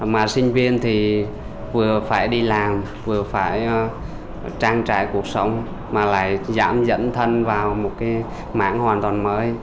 mà sinh viên thì vừa phải đi làm vừa phải trang trải cuộc sống mà lại giảm dẫn thân vào một cái mảng hoàn toàn mới